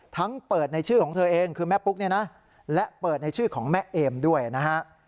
เปิดในชื่อของเธอเองคือแม่ปุ๊กเนี่ยนะและเปิดในชื่อของแม่เอมด้วยนะฮะ